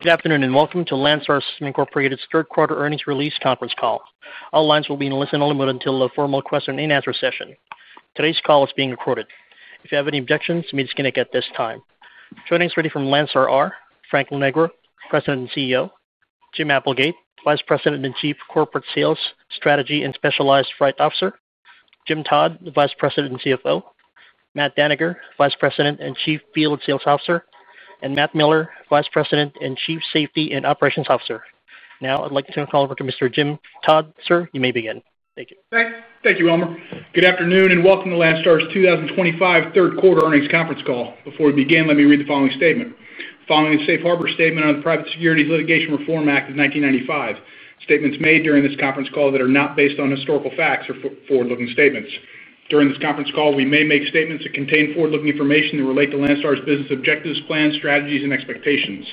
Good afternoon and welcome to Landstar System, Incorporated's third quarter earnings release conference call. All lines will be in listen only mode until a formal question and answer session. Today's call is being recorded. If you have any objections, you may disconnect at this time. Joining us from Landstar are Frank Lonegro, President and CEO, Jim Applegate, Vice President, Chief Corporate Sales Strategy and Specialized Flight Officer, Jim Todd, Vice President and CFO, Matt Dannegger, Vice President, Chief Field Sales Officer, and Matt Miller, Vice President, Chief Safety and Operations Officer. Now, I'd like to turn the call over to Mr. Jim Todd. You may begin. Thank you. Thank you, Elmer. Good afternoon and welcome to Landstar System third quarter earnings conference call. Before we begin, let me read the following statement. The following is a safe harbor statement on the Private Securities Litigation Reform Act of 1995. Statements made during this conference call that are not based on historical facts are forward-looking statements. During this conference call, we may make statements that contain forward-looking information that relate to Landstar business objectives, plans, strategies, and expectations.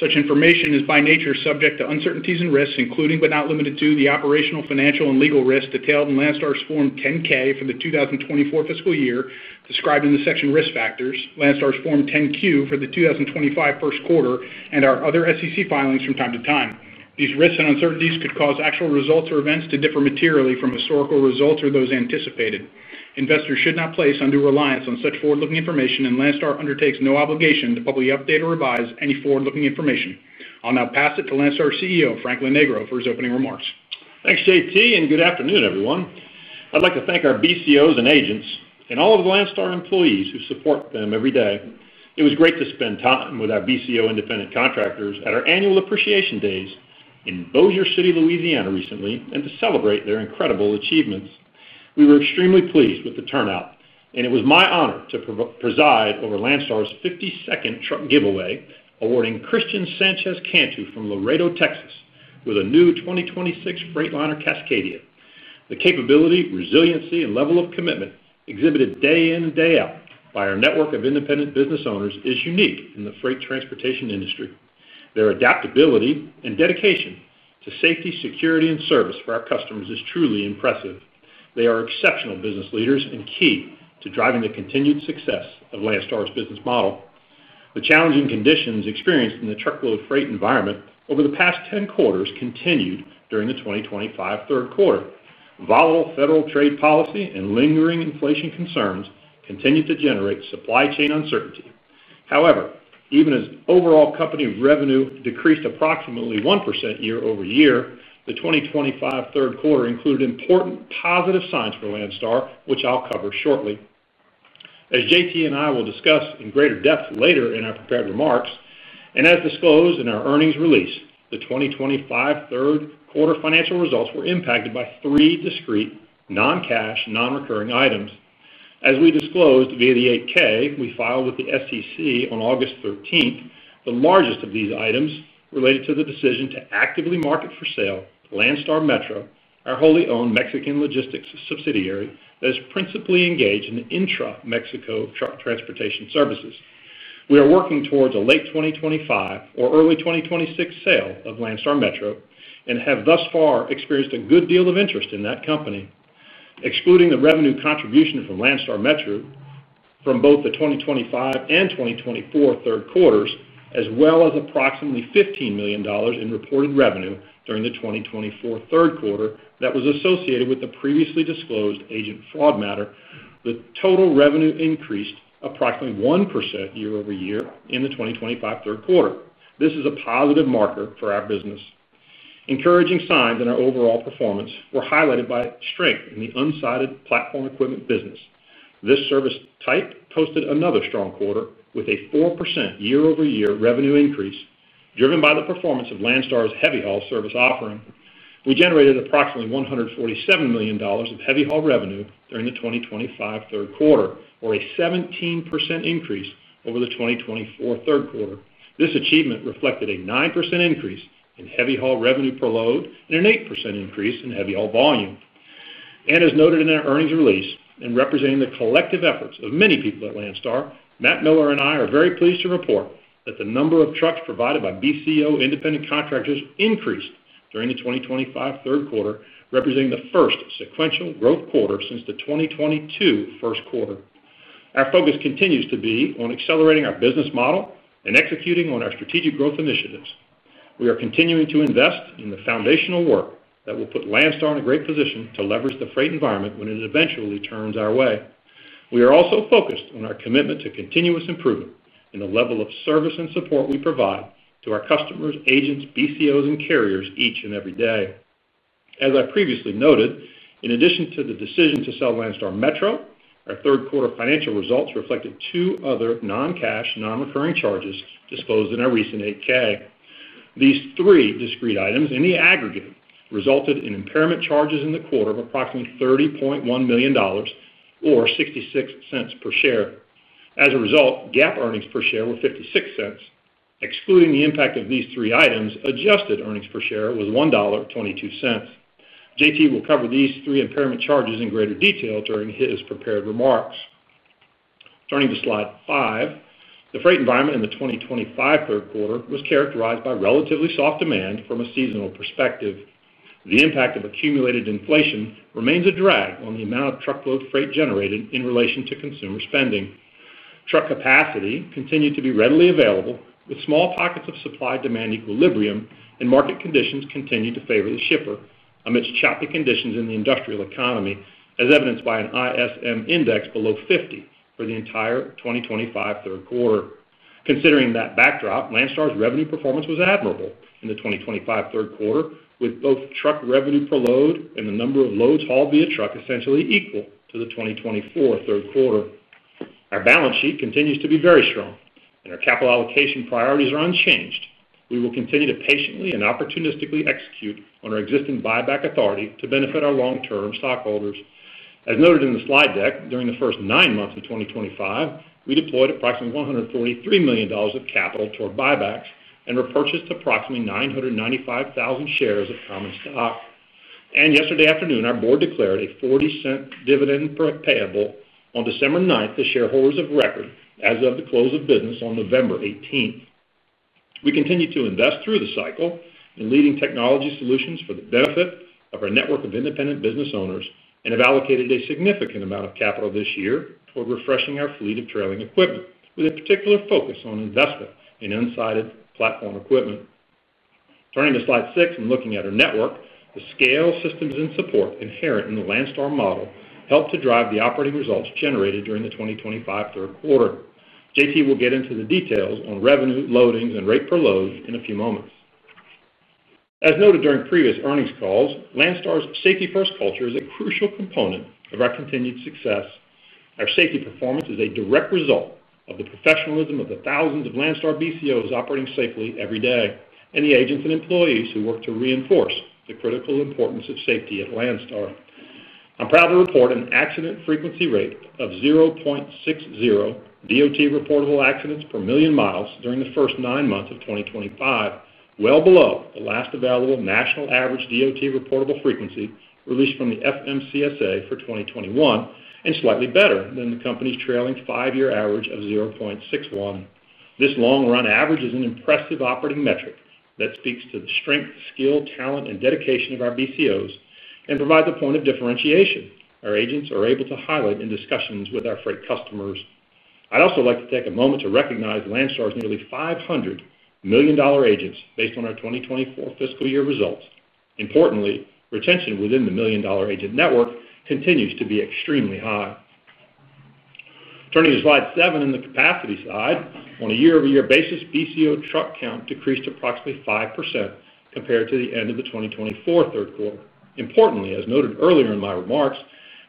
Such information is by nature subject to uncertainties and risks, including but not limited to the operational, financial, and legal risks detailed in Landstar 's Form 10-K for the 2024 fiscal year, described in the section Risk Factors, Landstar's Form 10-Q for the 2025 first quarter, and our other SEC filings from time to time. These risks and uncertainties could cause actual results or events to differ materially from historical results or those anticipated. Investors should not place undue reliance on such forward-looking information, and Landstar undertakes no obligation to publicly update or revise any forward-looking information. I'll now pass it to Landstar's CEO, Frank Lonegro, for his opening remarks. Thanks, JT, and good afternoon, everyone. I'd like to thank our BCOs and agents and all of the Landstar employees who support them every day. It was great to spend time with our BCO independent contractors at our annual appreciation days in Bossier City, Louisiana, recently, and to celebrate their incredible achievements. We were extremely pleased with the turnout, and it was my honor to preside over Landstar's 52nd truck giveaway, awarding Christian Sanchez Cantu from Laredo, Texas, with a new 2026 Freightliner Cascadia. The capability, resiliency, and level of commitment exhibited day in and day out by our network of independent business owners is unique in the freight transportation industry. Their adaptability and dedication to safety, security, and service for our customers is truly impressive. They are exceptional business leaders and key to driving the continued success of Landstar's business model. The challenging conditions experienced in the truckload freight environment over the past 10 quarters continued during the 2025 third quarter. Volatile federal trade policy and lingering inflation concerns continue to generate supply chain uncertainty. However, even as overall company revenue decreased approximately 1% year over year, the 2025 third quarter included important positive signs for Landstar, which I'll cover shortly. As JT and I will discuss in greater depth later in our prepared remarks, and as disclosed in our earnings release, the 2025 third quarter financial results were impacted by three discrete, non-cash, non-recurring items. As we disclosed via the 8-K we filed with the SEC on August 15th, the largest of these items related to the decision to actively market for sale to Landstar Metro, our wholly owned Mexican logistics subsidiary that is principally engaged in the intra-Mexico truck transportation services. We are working towards a late 2025 or early 2026 sale of Landstar Metro and have thus far experienced a good deal of interest in that company, excluding the revenue contribution from Landstar Metro from both the 2025 and 2024 third quarters, as well as approximately $15 million in reported revenue during the 2024 third quarter that was associated with the previously disclosed agent fraud matter. The total revenue increased approximately 1% year over year in the 2025 third quarter. This is a positive marker for our business. Encouraging signs in our overall performance were highlighted by strength in the unsighted platform equipment business. This service type posted another strong quarter with a 4% year-over-year revenue increase driven by the performance of Landstar's heavy haul service offering. We generated approximately $147 million of heavy haul revenue during the 2025 third quarter, or a 17% increase over the 2024 third quarter. This achievement reflected a 9% increase in heavy haul revenue per load and an 8% increase in heavy haul volume. As noted in our earnings release and representing the collective efforts of many people at Landstar, Matt Miller and I are very pleased to report that the number of trucks provided by BCO independent contractors increased during the 2025 third quarter, representing the first sequential growth quarter since the 2022 first quarter. Our focus continues to be on accelerating our business model and executing on our strategic growth initiatives. We are continuing to invest in the foundational work that will put Landstar in a great position to leverage the freight environment when it eventually turns our way. We are also focused on our commitment to continuous improvement in the level of service and support we provide to our customers, agents, BCOs, and carriers each and every day. As I previously noted, in addition to the decision to sell Landstar Metro, our third quarter financial results reflected two other non-cash, non-recurring charges disclosed in our recent 8-K. These three discrete items in the aggregate resulted in impairment charges in the quarter of approximately $30.1 million or $0.66 per share. As a result, GAAP EPS were $0.56. Excluding the impact of these three items, adjusted EPS was $1.22. JT will cover these three impairment charges in greater detail during his prepared remarks. Turning to slide five, the freight environment in the 2025 third quarter was characterized by relatively soft demand from a seasonal perspective. The impact of accumulated inflation remains a drag on the amount of truckload freight generated in relation to consumer spending. Truck capacity continued to be readily available, with small pockets of supply-demand equilibrium, and market conditions continued to favor the shipper amidst choppy conditions in the industrial economy, as evidenced by an ISM index below 50 for the entire 2025 third quarter. Considering that backdrop, Landstar's revenue performance was admirable in the 2025 third quarter, with both truck revenue per load and the number of loads hauled via truck essentially equal to the 2024 third quarter. Our balance sheet continues to be very strong, and our capital allocation priorities are unchanged. We will continue to patiently and opportunistically execute on our existing buyback authority to benefit our long-term stockholders. As noted in the slide deck, during the first nine months of 2025, we deployed approximately $143 million of capital toward buybacks and repurchased approximately 995,000 shares of common stock. Yesterday afternoon, our board declared a $0.40 dividend payable on December 9 to shareholders of record as of the close of business on November 18. We continue to invest through the cycle in leading technology solutions for the benefit of our network of independent business owners and have allocated a significant amount of capital this year toward refreshing our fleet of trailing equipment, with a particular focus on investment in unsighted platform equipment. Turning to slide six and looking at our network, the scale, systems, and support inherent in the Landstar model help to drive the operating results generated during the 2025 third quarter. JT will get into the details on revenue, loadings, and rate per load in a few moments. As noted during previous earnings calls, Landstar's safety-first culture is a crucial component of our continued success. Our safety performance is a direct result of the professionalism of the thousands of Landstar BCOs operating safely every day and the agents and employees who work to reinforce the critical importance of safety at Landstar. I'm proud to report an accident frequency rate of 0.60 DOT reportable accidents per million miles during the first nine months of 2025, well below the last available national average DOT reportable frequency released from the FMCSA for 2021 and slightly better than the company's trailing five-year average of 0.61. This long-run average is an impressive operating metric that speaks to the strength, skill, talent, and dedication of our BCOs and provides a point of differentiation our agents are able to highlight in discussions with our freight customers. I'd also like to take a moment to recognize Landstar's nearly $500 million agents based on our 2024 fiscal year results. Importantly, retention within the million-dollar agent network continues to be extremely high. Turning to slide seven on the capacity side, on a year-over-year basis, BCO truck count decreased approximately 5% compared to the end of the 2024 third quarter. Importantly, as noted earlier in my remarks,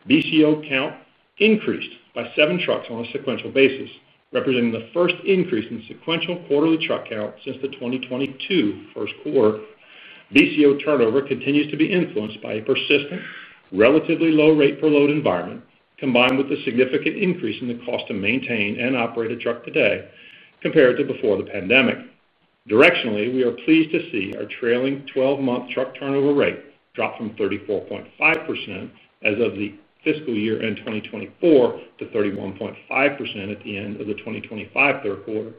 BCO count increased by seven trucks on a sequential basis, representing the first increase in sequential quarterly truck count since the 2022 first quarter. BCO turnover continues to be influenced by a persistent, relatively low rate per load environment, combined with the significant increase in the cost to maintain and operate a truck today compared to before the pandemic. Directionally, we are pleased to see our trailing 12-month truck turnover rate drop from 34.5% as of the fiscal year end 2024 to 31.5% at the end of the 2025 third quarter.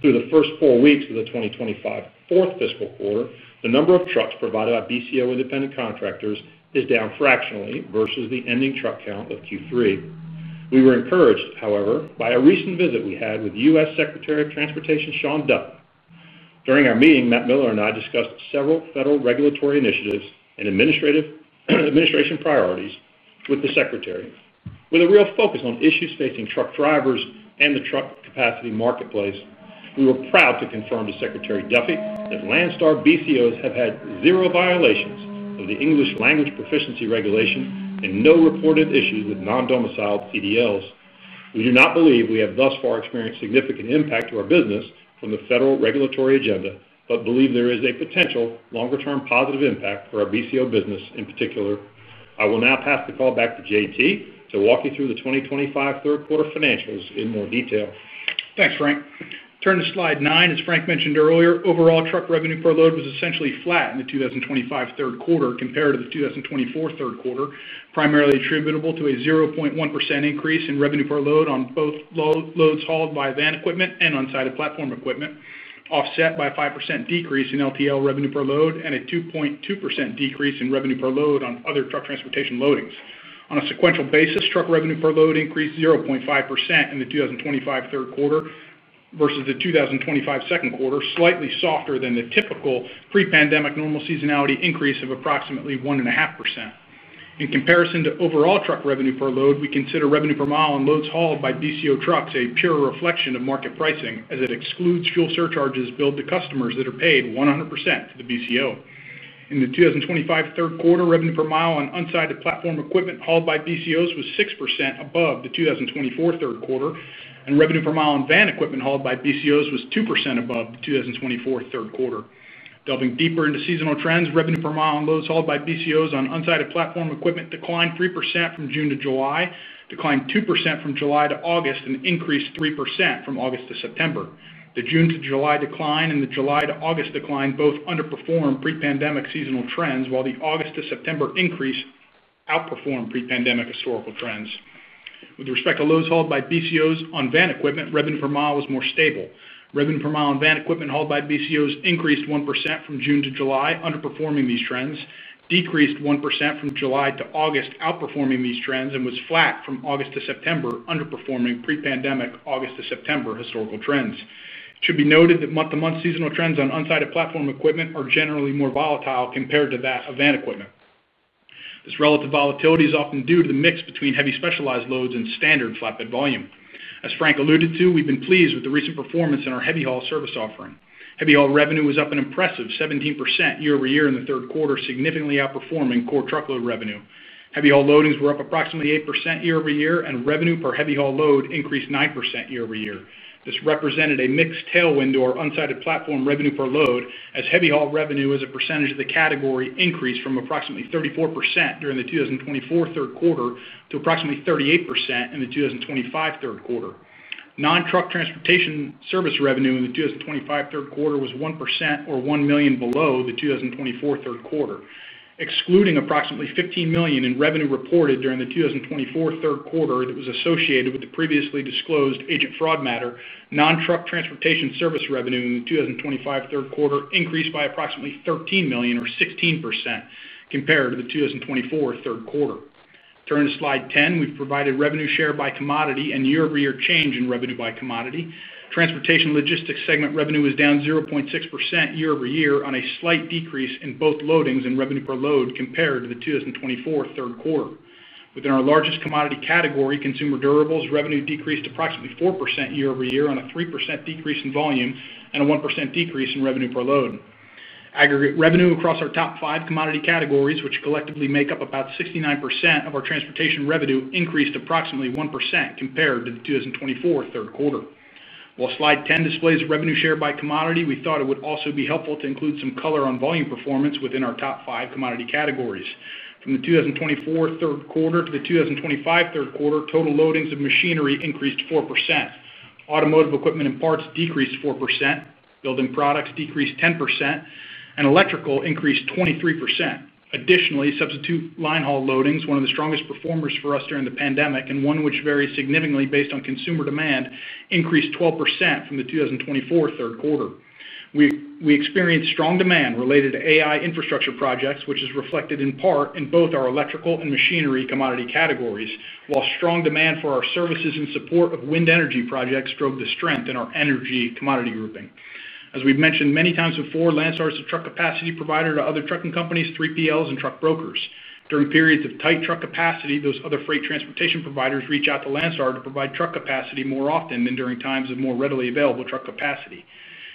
Through the first four weeks of the 2025 fourth fiscal quarter, the number of trucks provided by BCO independent contractors is down fractionally versus the ending truck count of Q3. We were encouraged, however, by a recent visit we had with U.S. Secretary of Transportation Sean Duffy. During our meeting, Matt Miller and I discussed several federal regulatory initiatives and administration priorities with the Secretary, with a real focus on issues facing truck drivers and the truck capacity marketplace. We were proud to confirm to Secretary Duffy that Landstar BCOs have had zero violations of the English Language Proficiency regulations and no reported issues with non-domiciled CDL regulations. We do not believe we have thus far experienced significant impact to our business from the federal regulatory agenda, but believe there is a potential longer-term positive impact for our BCO business in particular. I will now pass the call back to JT to walk you through the 2025 third quarter financials in more detail. Thanks, Frank. Turn to slide nine. As Frank mentioned earlier, overall truck revenue per load was essentially flat in the 2025 third quarter compared to the 2024 third quarter, primarily attributable to a 0.1% increase in revenue per load on both loads hauled by van equipment and unsighted platform equipment, offset by a 5% decrease in LTL revenue per load and a 2.2% decrease in revenue per load on other truck transportation loadings. On a sequential basis, truck revenue per load increased 0.5% in the 2025 third quarter versus the 2025 second quarter, slightly softer than the typical pre-pandemic normal seasonality increase of approximately 1.5%. In comparison to overall truck revenue per load, we consider revenue per mile on loads hauled by BCO trucks a pure reflection of market pricing as it excludes fuel surcharges billed to customers that are paid 100% to the BCO. In the 2025 third quarter, revenue per mile on unsighted platform equipment hauled by BCOs was 6% above the 2024 third quarter, and revenue per mile on van equipment hauled by BCOs was 2% above the 2024 third quarter. Delving deeper into seasonal trends, revenue per mile on loads hauled by BCOs on unsighted platform equipment declined 3% from June to July, declined 2% from July to August, and increased 3% from August to September. The June to July decline and the July to August decline both underperform pre-pandemic seasonal trends, while the August to September increase outperformed pre-pandemic historical trends. With respect to loads hauled by BCOs on van equipment, revenue per mile was more stable. Revenue per mile on van equipment hauled by BCOs increased 1% from June to July, underperforming these trends, decreased 1% from July to August, outperforming these trends, and was flat from August to September, underperforming pre-pandemic August to September historical trends. It should be noted that month-to-month seasonal trends on unsighted platform equipment are generally more volatile compared to that of van equipment. This relative volatility is often due to the mix between heavy specialized loads and standard flatbed volume. As Frank alluded to, we've been pleased with the recent performance in our heavy haul service offering. Heavy haul revenue was up an impressive 17% year over year in the third quarter, significantly outperforming core truckload revenue. Heavy haul loadings were up approximately 8% year over year, and revenue per heavy haul load increased 9% year over year. This represented a mixed tailwind to our unsighted platform revenue per load, as heavy haul revenue as a percentage of the category increased from approximately 34% during the 2024 third quarter to approximately 38% in the 2025 third quarter. Non-truck transportation service revenue in the 2025 third quarter was 1% or $1 million below the 2024 third quarter, excluding approximately $15 million in revenue reported during the 2024 third quarter that was associated with the previously disclosed agent fraud matter. Non-truck transportation service revenue in the 2025 third quarter increased by approximately $13 million or 16% compared to the 2024 third quarter. Turning to slide 10, we've provided revenue share by commodity and year-over-year change in revenue by commodity. Transportation logistics segment revenue was down 0.6% year over year on a slight decrease in both loadings and revenue per load compared to the 2024 third quarter. Within our largest commodity category, consumer durables revenue decreased approximately 4% year over year on a 3% decrease in volume and a 1% decrease in revenue per load. Aggregate revenue across our top five commodity categories, which collectively make up about 69% of our transportation revenue, increased approximately 1% compared to the 2024 third quarter. While slide 10 displays revenue share by commodity, we thought it would also be helpful to include some color on volume performance within our top five commodity categories. From the 2024 third quarter to the 2025 third quarter, total loadings of machinery increased 4%. Automotive equipment and parts decreased 4%. Building products decreased 10%. Electrical increased 23%. Additionally, substitute line haul loadings, one of the strongest performers for us during the pandemic and one which varies significantly based on consumer demand, increased 12% from the 2024 third quarter. We experienced strong demand related to AI infrastructure projects, which is reflected in part in both our electrical and machinery commodity categories, while strong demand for our services in support of wind energy projects drove the strength in our energy commodity grouping. As we've mentioned many times before, Landstar is a truck capacity provider to other trucking companies, 3PLs, and truck brokers. During periods of tight truck capacity, those other freight transportation providers reach out to Landstar to provide truck capacity more often than during times of more readily available truck capacity.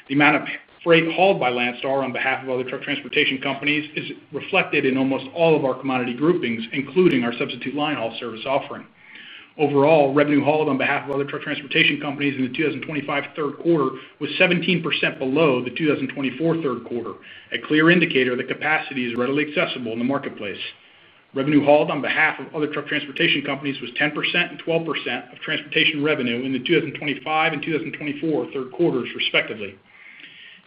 The amount of freight hauled by Landstar on behalf of other truck transportation companies is reflected in almost all of our commodity groupings, including our substitute line haul service offering. Overall, revenue hauled on behalf of other truck transportation companies in the 2025 third quarter was 17% below the 2024 third quarter, a clear indicator that capacity is readily accessible in the marketplace. Revenue hauled on behalf of other truck transportation companies was 10% and 12% of transportation revenue in the 2025 and 2024 third quarters, respectively.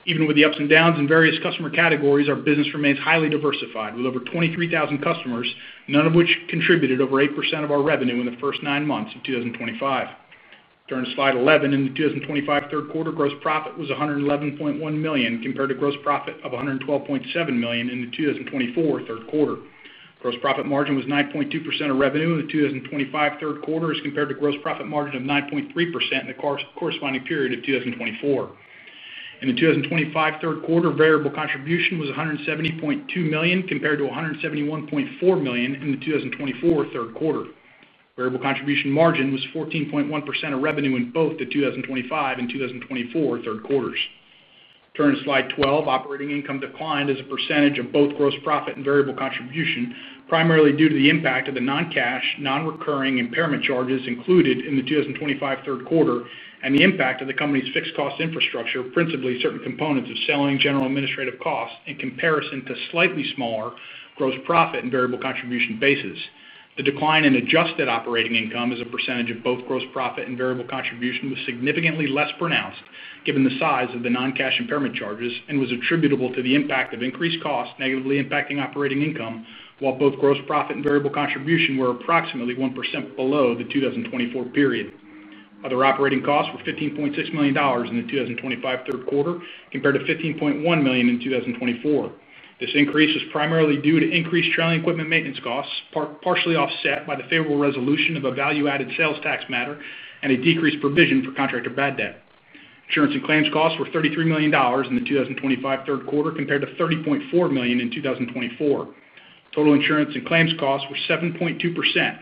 Even with the ups and downs in various customer categories, our business remains highly diversified with over 23,000 customers, none of which contributed over 8% of our revenue in the first nine months of 2025. Turn to slide 11. In the 2025 third quarter, gross profit was $111.1 million compared to gross profit of $112.7 million in the 2024 third quarter. Gross profit margin was 9.2% of revenue in the 2025 third quarter as compared to gross profit margin of 9.3% in the corresponding period of 2024. In the 2025 third quarter, variable contribution was $170.2 million compared to $171.4 million in the 2024 third quarter. Variable contribution margin was 14.1% of revenue in both the 2025 and 2024 third quarters. Turn to slide 12. Operating income declined as a percentage of both gross profit and variable contribution, primarily due to the impact of the non-cash, non-recurring impairment charges included in the 2025 third quarter and the impact of the company's fixed cost infrastructure, principally certain components of selling general administrative costs, in comparison to slightly smaller gross profit and variable contribution bases. The decline in adjusted operating income as a percentage of both gross profit and variable contribution was significantly less pronounced given the size of the non-cash impairment charges and was attributable to the impact of increased costs negatively impacting operating income, while both gross profit and variable contribution were approximately 1% below the 2024 period. Other operating costs were $15.6 million in the 2025 third quarter compared to $15.1 million in 2024. This increase was primarily due to increased trailing equipment maintenance costs, partially offset by the favorable resolution of a value-added sales tax matter and a decreased provision for contractor bad debt. Insurance and claims costs were $33 million in the 2025 third quarter compared to $30.4 million in 2024. Total insurance and claims costs were 7.2%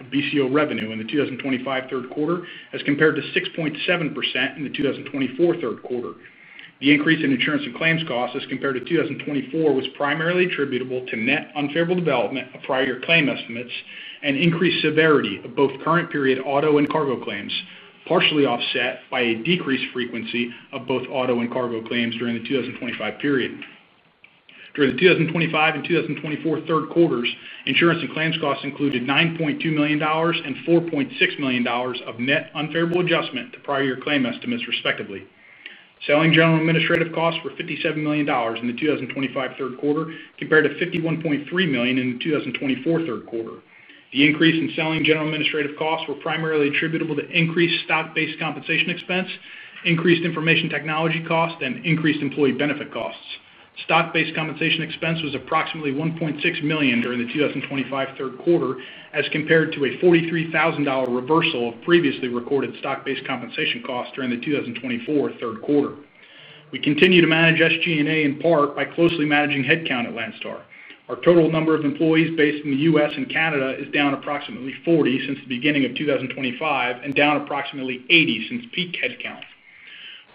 of BCO revenue in the 2025 third quarter as compared to 6.7% in the 2024 third quarter. The increase in insurance and claims costs as compared to 2024 was primarily attributable to net unfavorable development of prior year claim estimates and increased severity of both current period auto and cargo claims, partially offset by a decreased frequency of both auto and cargo claims during the 2025 period. During the 2025 and 2024 third quarters, insurance and claims costs included $9.2 million and $4.6 million of net unfavorable adjustment to prior year claim estimates, respectively. Selling, general and administrative costs were $57 million in the 2025 third quarter compared to $51.3 million in the 2024 third quarter. The increase in selling, general and administrative costs was primarily attributable to increased stock-based compensation expense, increased information technology costs, and increased employee benefit costs. Stock-based compensation expense was approximately $1.6 million during the 2025 third quarter as compared to a $43,000 reversal of previously recorded stock-based compensation costs during the 2024 third quarter. We continue to manage SG&A in part by closely managing headcount at Landstar. Our total number of employees based in the U.S. and Canada is down approximately 40 since the beginning of 2025 and down approximately 80 since peak headcount.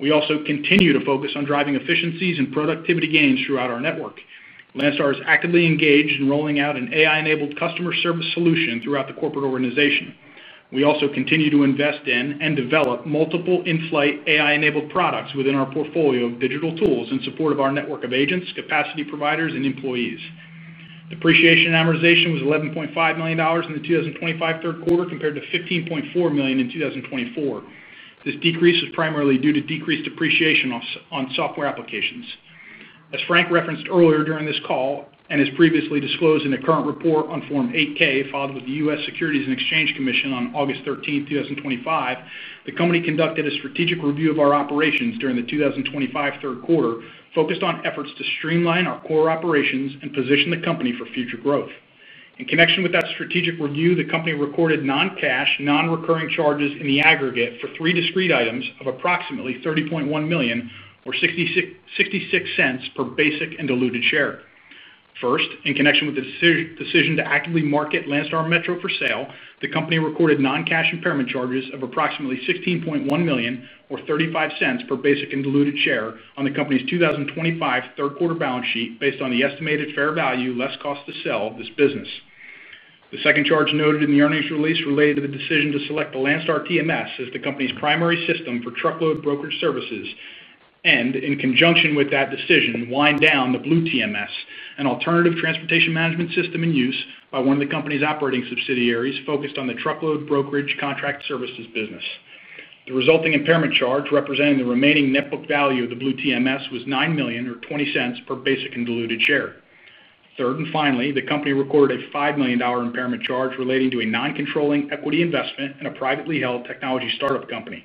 We also continue to focus on driving efficiencies and productivity gains throughout our network. Landstar is actively engaged in rolling out an AI-enabled customer service solution throughout the corporate organization. We also continue to invest in and develop multiple in-flight AI-enabled products within our portfolio of digital tools in support of our network of agents, capacity providers, and employees. Depreciation and amortization was $11.5 million in the 2025 third quarter compared to $15.4 million in 2024. This decrease was primarily due to decreased depreciation on software applications. As Frank Lonegro referenced earlier during this call and as previously disclosed in a current report on Form 8-K filed with the U.S. Securities and Exchange Commission on August 13, 2025, the company conducted a strategic review of our operations during the 2025 third quarter focused on efforts to streamline our core operations and position the company for future growth. In connection with that strategic review, the company recorded non-cash, non-recurring charges in the aggregate for three discrete items of approximately $30.1 million or $0.66 per basic and diluted share. First, in connection with the decision to actively market Landstar Metro for sale, the company recorded non-cash impairment charges of approximately $16.1 million or $0.35 per basic and diluted share on the company's 2025 third quarter balance sheet based on the estimated fair value less cost to sell this business. The second charge noted in the earnings release related to the decision to select the Landstar TMS as the company's primary system for truckload brokerage services and, in conjunction with that decision, wind down the Blue TMS, an alternative transportation management system in use by one of the company's operating subsidiaries focused on the truckload brokerage contract services business. The resulting impairment charge representing the remaining net book value of the Blue TMS was $9 million or $0.20 per basic and diluted share. Third and finally, the company recorded a $5 million impairment charge relating to a non-controlling equity investment in a privately held technology startup company.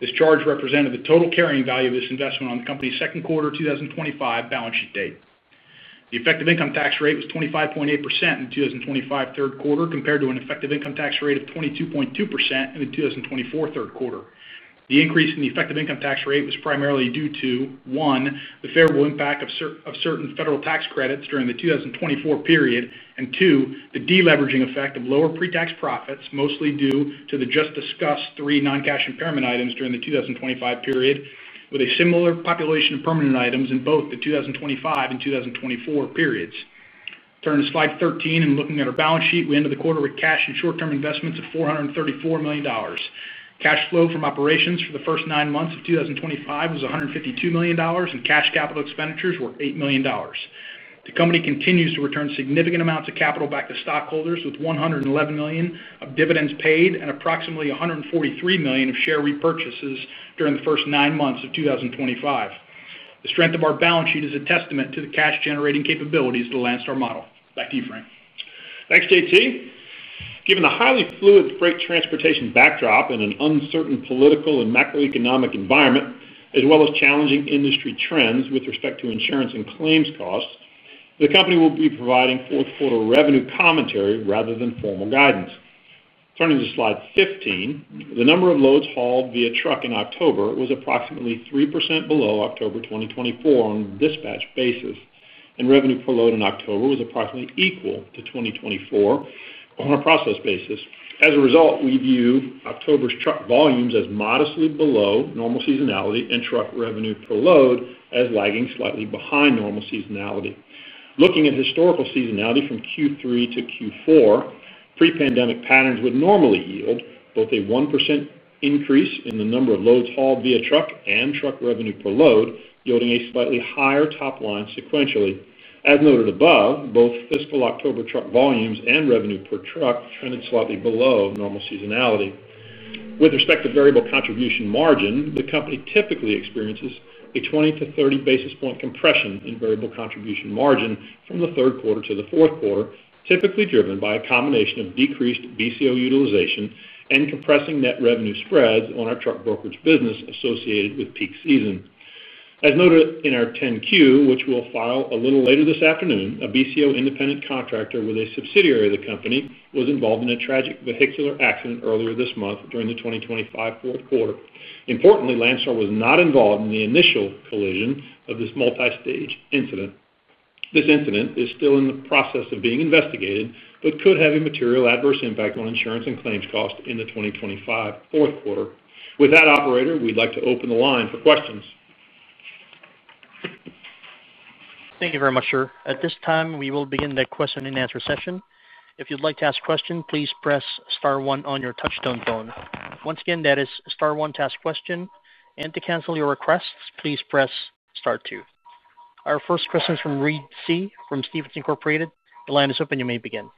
This charge represented the total carrying value of this investment on the company's second quarter 2025 balance sheet date. The effective income tax rate was 25.8% in the 2025 third quarter compared to an effective income tax rate of 22.2% in the 2024 third quarter. The increase in the effective income tax rate was primarily due to, one, the favorable impact of certain federal tax credits during the 2024 period and, two, the deleveraging effect of lower pre-tax profits, mostly due to the just discussed three non-cash impairment items during the 2025 period, with a similar population of permanent items in both the 2025 and 2024 periods. Turn to slide 13 and looking at our balance sheet, we ended the quarter with cash and short-term investments of $434 million. Cash flow from operations for the first nine months of 2025 was $152 million and cash capital expenditures were $8 million. The company continues to return significant amounts of capital back to stockholders with $111 million of dividends paid and approximately $143 million of share repurchases during the first nine months of 2025. The strength of our balance sheet is a testament to the cash-generating capabilities of the Landstar model. Back to you, Frank. Thanks, JT. Given the highly fluid freight transportation backdrop and an uncertain political and macroeconomic environment, as well as challenging industry trends with respect to insurance and claims costs, the company will be providing fourth quarter revenue commentary rather than formal guidance. Turning to slide 15, the number of loads hauled via truck in October was approximately 3% below October 2024 on a dispatch basis, and revenue per load in October was approximately equal to 2024 on a process basis. As a result, we view October's truck volumes as modestly below normal seasonality, and truck revenue per load as lagging slightly behind normal seasonality. Looking at historical seasonality from Q3 to Q4, pre-pandemic patterns would normally yield both a 1% increase in the number of loads hauled via truck and truck revenue per load, yielding a slightly higher top line sequentially. As noted above, both fiscal October truck volumes and revenue per truck trended slightly below normal seasonality. With respect to variable contribution margin, the company typically experiences a 20 to 30 basis point compression in variable contribution margin from the third quarter to the fourth quarter, typically driven by a combination of decreased BCO utilization and compressing net revenue spreads on our truck brokerage business associated with peak season. As noted in our 10-Q, which we'll file a little later this afternoon, a BCO independent contractor with a subsidiary of the company was involved in a tragic vehicular accident earlier this month during the 2025 fourth quarter. Importantly, Landstar was not involved in the initial collision of this multi-stage incident. This incident is still in the process of being investigated but could have a material adverse impact on insurance and claims costs in the 2025 fourth quarter. With that, operator, we'd like to open the line for questions. Thank you very much, sir. At this time, we will begin the question and answer session. If you'd like to ask a question, please press star one on your touch-tone phone. Once again, that is star one to ask a question. To cancel your request, please press star two. Our first question is from Reed Seay from Stephens Incorporated. The line is open. You may begin.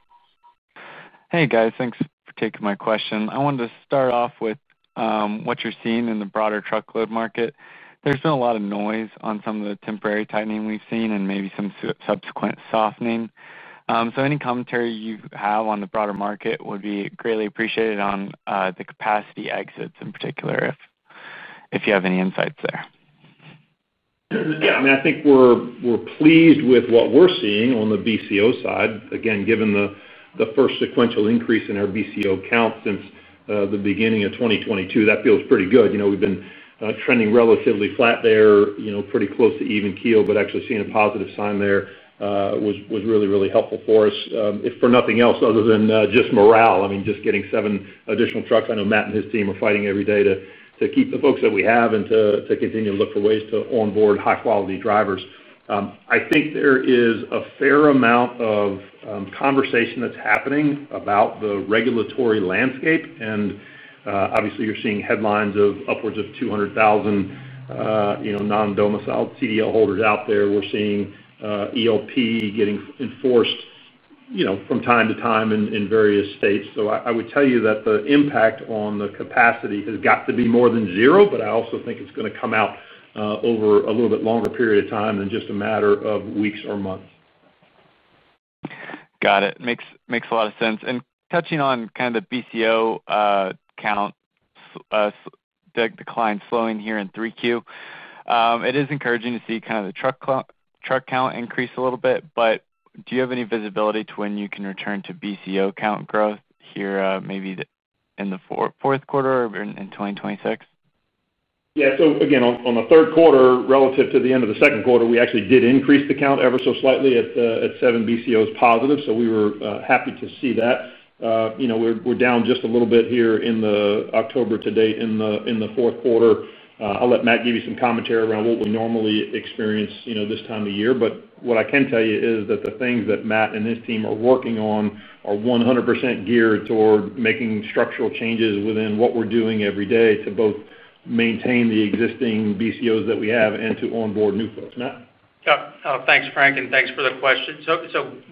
Hey guys, thanks for taking my question. I wanted to start off with what you're seeing in the broader truckload market. There's been a lot of noise on some of the temporary tightening we've seen and maybe some subsequent softening. Any commentary you have on the broader market would be greatly appreciated on the capacity exits in particular if you have any insights there. Yeah, I mean, I think we're pleased with what we're seeing on the BCO side. Again, given the first sequential increase in our BCO count since the beginning of 2022, that feels pretty good. We've been trending relatively flat there, pretty close to even keel, but actually seeing a positive sign there was really, really helpful for us. If for nothing else other than just morale, just getting seven additional trucks. I know Matt and his team are fighting every day to keep the folks that we have and to continue to look for ways to onboard high-quality drivers. I think there is a fair amount of conversation that's happening about the regulatory landscape, and obviously you're seeing headlines of upwards of 200,000 non-domiciled CDL holders out there. We're seeing English Language Proficiency getting enforced from time to time in various states. I would tell you that the impact on the capacity has got to be more than zero, but I also think it's going to come out over a little bit longer period of time than just a matter of weeks or months. Got it. Makes a lot of sense. Touching on kind of the BCO count decline slowing here in 3Q, it is encouraging to see kind of the truck count increase a little bit, but do you have any visibility to when you can return to BCO count growth here, maybe in the fourth quarter or in 2026? Yeah, so again, on the third quarter, relative to the end of the second quarter, we actually did increase the count ever so slightly at seven BCOs positive, so we were happy to see that. We're down just a little bit here in the October to date in the fourth quarter. I'll let Matt give you some commentary around what we normally experience this time of year, but what I can tell you is that the things that Matt and his team are working on are 100% geared toward making structural changes within what we're doing every day to both maintain the existing BCOs that we have and to onboard new folks. Matt? Oh, thanks, Frank, and thanks for the question.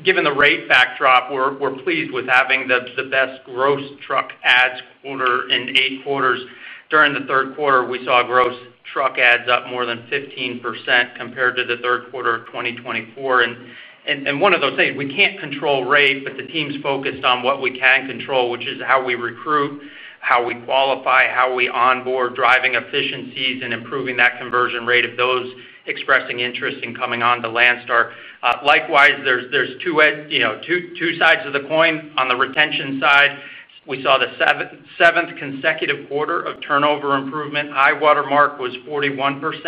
Given the rate backdrop, we're pleased with having the best gross truck adds quarter in eight quarters. During the third quarter, we saw gross truck adds up more than 15% compared to the third quarter of 2024. One of those things, we can't control rate, but the team's focused on what we can control, which is how we recruit, how we qualify, how we onboard, driving efficiencies, and improving that conversion rate of those expressing interest in coming on to Landstar. Likewise, there's two sides of the coin. On the retention side, we saw the seventh consecutive quarter of turnover improvement. High watermark was 41%.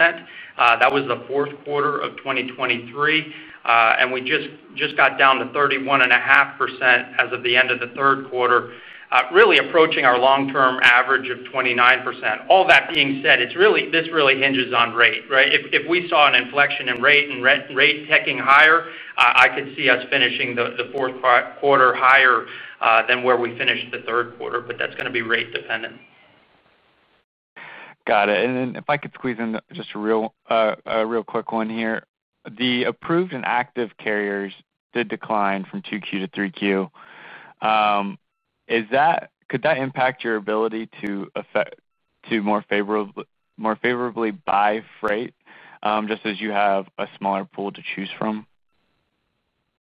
That was the fourth quarter of 2023. We just got down to 31.5% as of the end of the third quarter, really approaching our long-term average of 29%. All that being said, this really hinges on rate, right? If we saw an inflection in rate and rate ticking higher, I could see us finishing the fourth quarter higher than where we finished the third quarter, but that's going to be rate dependent. Got it. If I could squeeze in just a real quick one here, the approved and active carriers did decline from 2Q to 3Q. Could that impact your ability to more favorably buy freight just as you have a smaller pool to choose from?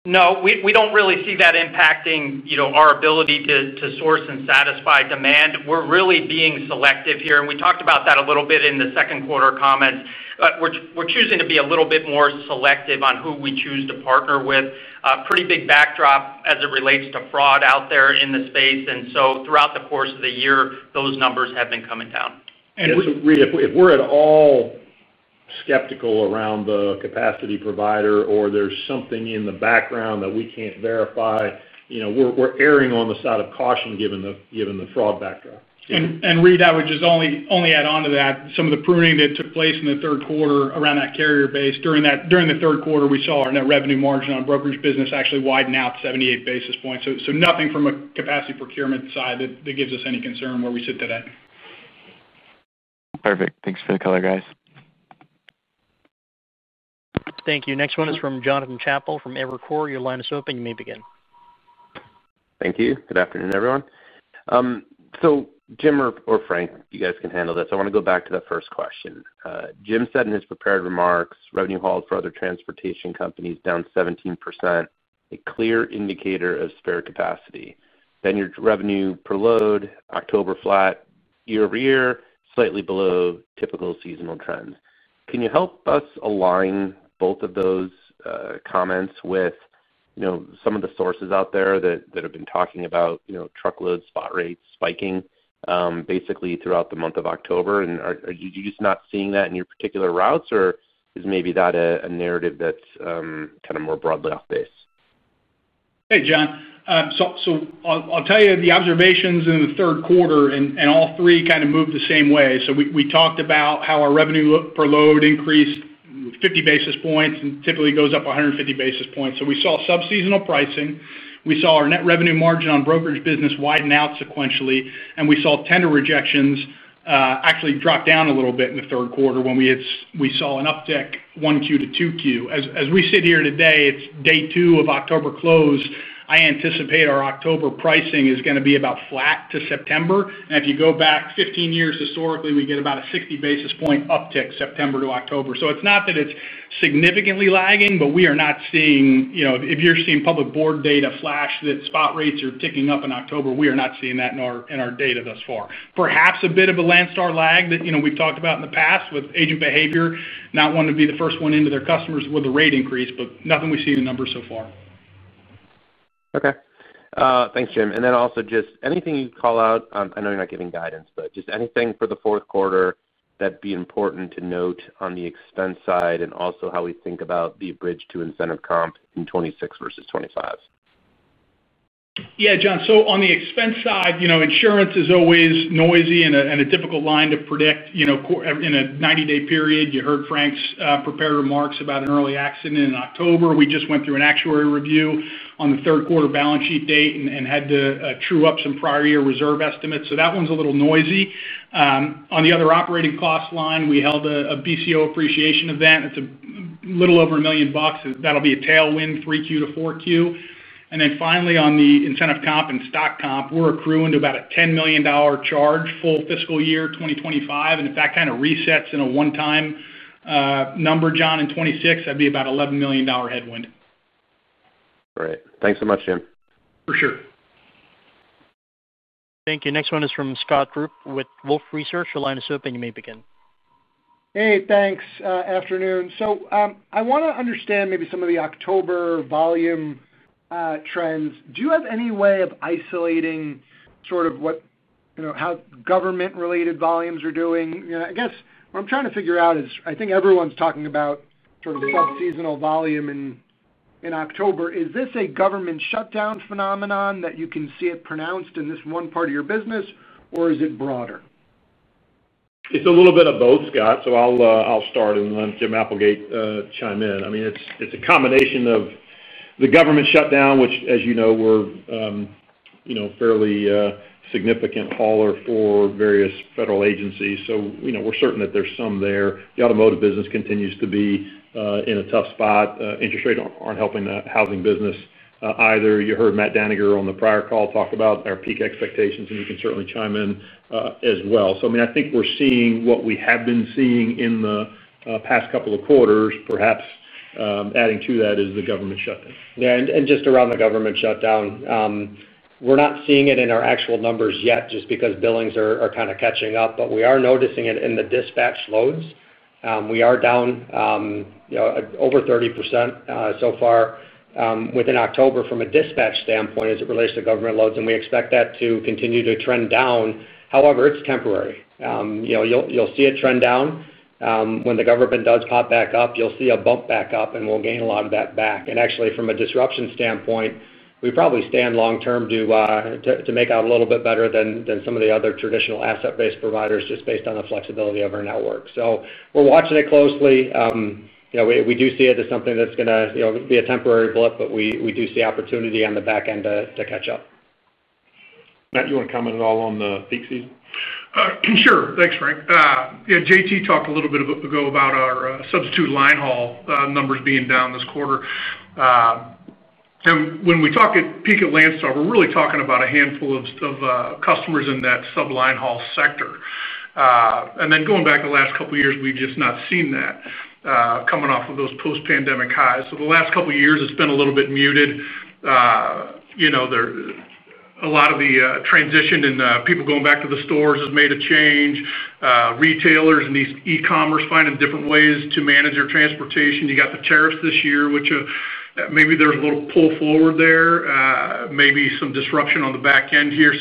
No, we don't really see that impacting our ability to source and satisfy demand. We're really being selective here, and we talked about that a little bit in the second quarter comments, but we're choosing to be a little bit more selective on who we choose to partner with. Pretty big backdrop as it relates to fraud out there in the space, and throughout the course of the year, those numbers have been coming down. If we're at all skeptical around the capacity provider or there's something in the background that we can't verify, we're erring on the side of caution given the fraud backdrop. Reed, I would just only add on to that, some of the pruning that took place in the third quarter around that carrier base, during the third quarter, we saw our net revenue margin on brokerage business actually widen out 78 basis points. Nothing from a capacity procurement side gives us any concern where we sit today. Perfect. Thanks for the color, guys. Thank you. Next one is from Jonathan Chappell from Evercore ISI Institutional Equities. Your line is open. You may begin. Thank you. Good afternoon, everyone. Jim or Frank, you guys can handle this. I want to go back to the first question. Jim said in his prepared remarks, revenue hauled for other transportation companies down 17%, a clear indicator of spare capacity. Your revenue per load, October flat, year over year, slightly below typical seasonal trends. Can you help us align both of those comments with some of the sources out there that have been talking about truckload spot rates spiking, basically throughout the month of October? Are you just not seeing that in your particular routes, or is maybe that a narrative that's kind of more broadly off base? Hey, John. I'll tell you the observations in the third quarter, and all three kind of move the same way. We talked about how our revenue per load increased with 50 basis points and typically goes up 150 basis points. We saw subseasonal pricing. We saw our net revenue margin on brokerage business widen out sequentially, and we saw tender rejections actually drop down a little bit in the third quarter when we had, we saw an uptick 1Q to 2Q. As we sit here today, it's day two of October close. I anticipate our October pricing is going to be about flat to September. If you go back 15 years historically, we get about a 60 basis point uptick September to October. It's not that it's significantly lagging, but we are not seeing, you know, if you're seeing public board data flash that spot rates are ticking up in October, we are not seeing that in our data thus far. Perhaps a bit of a Landstar lag that, you know, we've talked about in the past with agent behavior, not wanting to be the first one into their customers with a rate increase, but nothing we see in the numbers so far. Okay. Thanks, Jim. Also, just anything you call out, I know you're not giving guidance, just anything for the fourth quarter that'd be important to note on the expense side and also how we think about the bridge to incentive comp in 2026 versus 2025. Yeah, John. On the expense side, insurance is always noisy and a difficult line to predict. In a 90-day period, you heard Frank's prepared remarks about an early accident in October. We just went through an actuary review on the third quarter balance sheet date and had to true up some prior year reserve estimates. That one's a little noisy. On the other operating cost line, we held a BCO appreciation event. It's a little over $1 million. That'll be a tailwind 3Q to 4Q. Finally, on the incentive comp and stock comp, we're accruing to about a $10 million charge full fiscal year 2025. If that kind of resets in a one-time number, John, in 2026, that'd be about an $11 million headwind. Great. Thanks so much, Jim. For sure. Thank you. Next one is from Scott Group with Wolfe Research. Your line is open. You may begin. Thanks. Afternoon. I want to understand maybe some of the October volume trends. Do you have any way of isolating sort of what, you know, how government-related volumes are doing? I guess what I'm trying to figure out is I think everyone's talking about sort of subseasonal volume in October. Is this a government shutdown phenomenon that you can see pronounced in this one part of your business, or is it broader? It's a little bit of both, Scott. I'll start and let Jim Applegate chime in. I mean, it's a combination of the government shutdown, which, as you know, we're a fairly significant hauler for various federal agencies. We're certain that there's some there. The automotive business continues to be in a tough spot. Interest rates aren't helping the housing business, either. You heard Matt Dannegger on the prior call talk about our peak expectations, and you can certainly chime in, as well. I think we're seeing what we have been seeing in the past couple of quarters. Perhaps, adding to that is the government shutdown. Yeah, and just around the government shutdown, we're not seeing it in our actual numbers yet just because billings are kind of catching up, but we are noticing it in the dispatch loads. We are down, you know, over 30% so far within October from a dispatch standpoint as it relates to government loads, and we expect that to continue to trend down. However, it's temporary. You know, you'll see it trend down. When the government does pop back up, you'll see a bump back up, and we'll gain a lot of that back. Actually, from a disruption standpoint, we probably stand long-term to make out a little bit better than some of the other traditional asset-based providers just based on the flexibility of our network. We're watching it closely. You know, we do see it as something that's going to be a temporary blip, but we do see opportunity on the back end to catch up. Matt, you want to comment at all on the peak season? Sure. Thanks, Frank. Yeah, JT talked a little bit ago about our substitute line haul numbers being down this quarter. When we talk at peak at Landstar, we're really talking about a handful of customers in that sub-line haul sector. Going back the last couple of years, we've just not seen that coming off of those post-pandemic highs. The last couple of years has been a little bit muted. A lot of the transition and people going back to the stores has made a change. Retailers and these e-commerce finding different ways to manage their transportation. You got the tariffs this year, which maybe there's a little pull forward there, maybe some disruption on the back end here.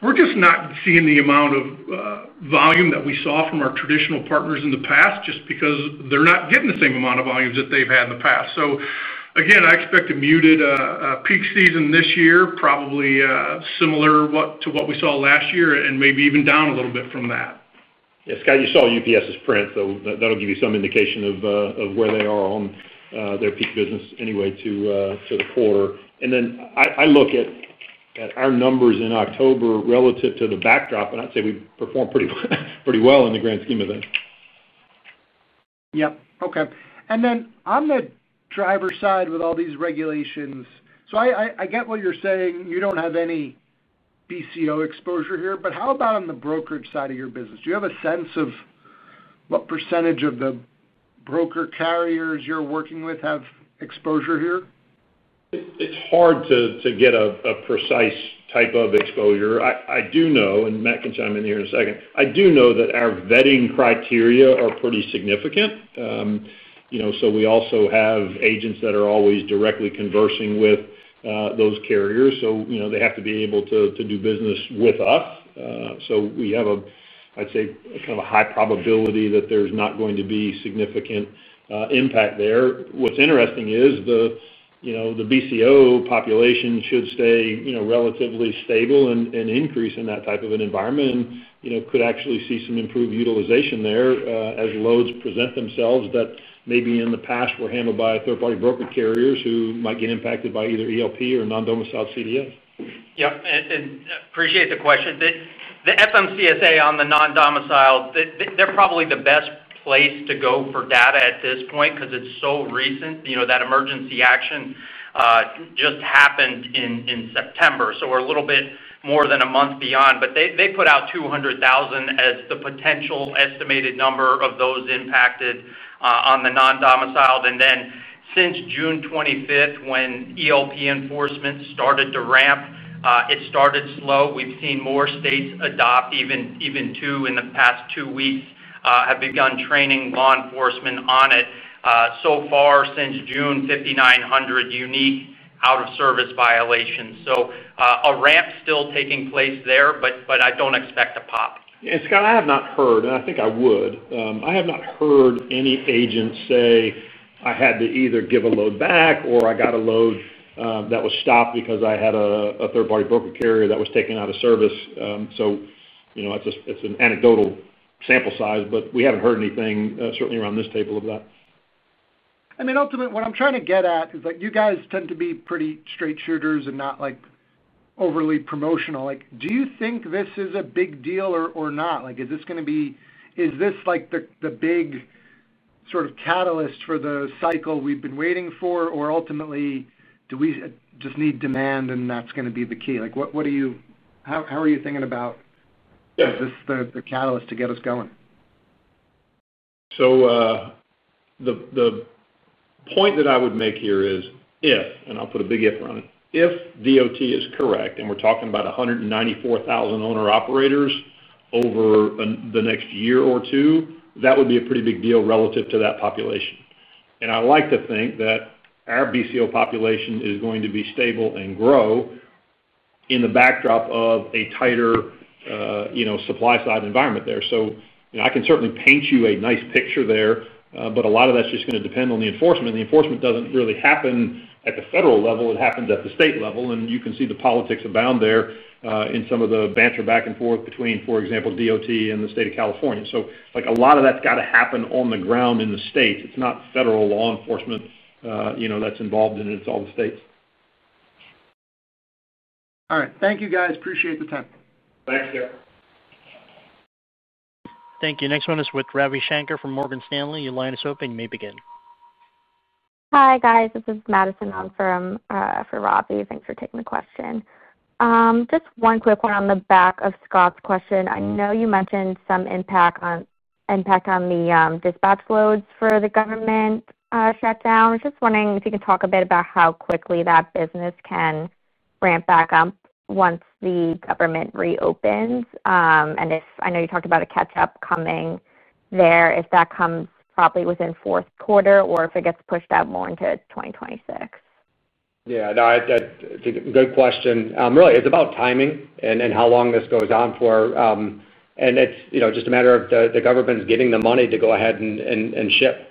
We're just not seeing the amount of volume that we saw from our traditional partners in the past just because they're not getting the same amount of volumes that they've had in the past. I expect a muted peak season this year, probably similar to what we saw last year and maybe even down a little bit from that. Yeah, Scott, you saw UPS's print, so that'll give you some indication of where they are on their peak business anyway to the quarter. I look at our numbers in October relative to the backdrop, and I'd say we perform pretty well in the grand scheme of things. Okay. On the driver's side with all these regulations, I get what you're saying. You don't have any BCO exposure here, but how about on the brokerage side of your business? Do you have a sense of what percentage of the broker carriers you're working with have exposure here? It's hard to get a precise type of exposure. I do know, and Matt can chime in here in a second, I do know that our vetting criteria are pretty significant. We also have agents that are always directly conversing with those carriers. They have to be able to do business with us. I'd say there's kind of a high probability that there's not going to be significant impact there. What's interesting is the BCO population should stay relatively stable and increase in that type of an environment and could actually see some improved utilization there as loads present themselves that maybe in the past were handled by third-party broker carriers who might get impacted by either ELP or non-domiciled CDL. Yep. Appreciate the question. The FMCSA on the non-domiciled, they're probably the best place to go for data at this point because it's so recent. That emergency action just happened in September. We're a little bit more than a month beyond. They put out 200,000 as the potential estimated number of those impacted on the non-domiciled. Since June 25, when English Language Proficiency enforcement started to ramp, it started slow. We've seen more states adopt, even two in the past two weeks have begun training law enforcement on it. So far since June, 5,900 unique out-of-service violations. A ramp is still taking place there, but I don't expect a pop. Yeah, Scott, I have not heard, and I think I would, I have not heard any agents say, "I had to either give a load back or I got a load that was stopped because I had a third-party broker carrier that was taken out of service." You know, it's an anecdotal sample size, but we haven't heard anything certainly around this table of that. I mean, ultimately, what I'm trying to get at is you guys tend to be pretty straight shooters and not overly promotional. Do you think this is a big deal or not? Is this going to be, is this the big sort of catalyst for the cycle we've been waiting for, or ultimately, do we just need demand and that's going to be the key? How are you thinking about, is this the catalyst to get us going? The point that I would make here is if, and I'll put a big if on it, if DOT is correct and we're talking about 194,000 owner-operators over the next year or two, that would be a pretty big deal relative to that population. I like to think that our BCO population is going to be stable and grow in the backdrop of a tighter, you know, supply-side environment there. I can certainly paint you a nice picture there, but a lot of that's just going to depend on the enforcement. The enforcement doesn't really happen at the federal level. It happens at the state level. You can see the politics abound there in some of the banter back and forth between, for example, DOT and the state of California. A lot of that's got to happen on the ground in the states. It's not federal law enforcement that's involved in it. It's all the states. All right. Thank you, guys. Appreciate the time. Thanks, Scott. Thank you. Next one is with Ravi Shankar from Morgan Stanley. Your line is open. You may begin. Hi guys, this is Madison on for Robbie. Thanks for taking the question. Just one quick one on the back of Scott's question. I know you mentioned some impact on the dispatch loads for the government shutdown. I was just wondering if you can talk a bit about how quickly that business can ramp back up once the government reopens, and if I know you talked about a catch-up coming there, if that comes probably within the fourth quarter or if it gets pushed out more into 2026. Yeah, no, I think it's a good question. Really, it's about timing and how long this goes on for, and it's just a matter of the government's getting the money to go ahead and ship.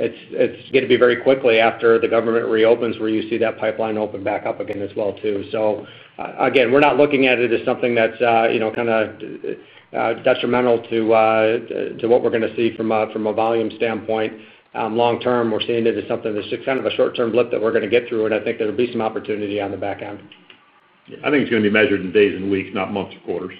It's going to be very quickly after the government reopens where you see that pipeline open back up again as well. We're not looking at it as something that's kind of detrimental to what we're going to see from a volume standpoint. Long-term, we're seeing it as something that's just kind of a short-term blip that we're going to get through. I think there'll be some opportunity on the back end. Yeah, I think it's going to be measured in days and weeks, not months or quarters.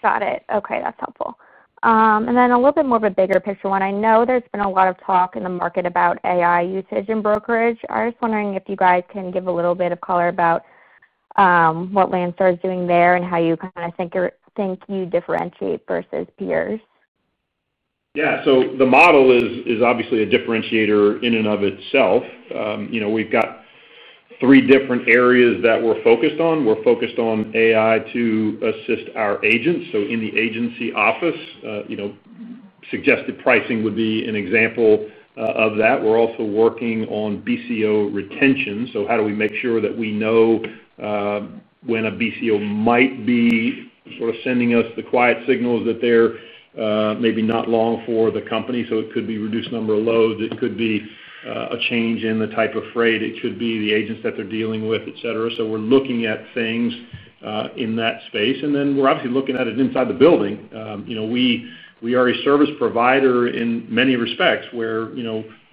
Got it. Okay, that's helpful. A little bit more of a bigger picture one. I know there's been a lot of talk in the market about AI usage in brokerage. I was wondering if you guys can give a little bit of color about what Landstar is doing there and how you kind of think you differentiate versus peers. Yeah, so the model is obviously a differentiator in and of itself. We've got three different areas that we're focused on. We're focused on AI to assist our agents. In the agency office, suggested pricing would be an example of that. We're also working on BCO retention. How do we make sure that we know when a BCO might be sort of sending us the quiet signals that they're maybe not long for the company? It could be a reduced number of loads. It could be a change in the type of freight. It could be the agents that they're dealing with, etc. We're looking at things in that space. We're obviously looking at it inside the building. We are a service provider in many respects where